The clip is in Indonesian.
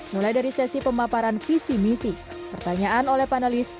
mulai dari sesi pemaparan visi misi pertanyaan oleh panelis